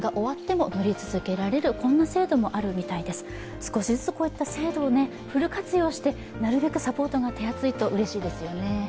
少しずつこういった制度をフル活用してなるべくサポートが手厚いとうれしいですよね。